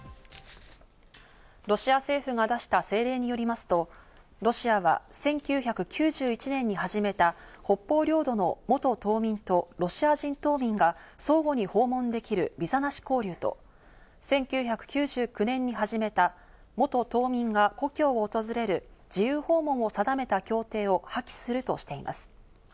ロシア政府が出した政令によりますと、ロシアは１９９１年に始めた北方領土の元島民とロシア人島民が相互に訪問できるビザなし交流と１９９９年に始めた元島民が故郷を訪れる自由訪問を定めた協定を破棄するとしています。